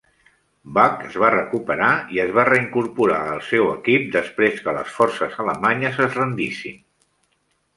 Buck es va recuperar i es va reincorporar al seu equip després que les forces alemanyes es rendissin.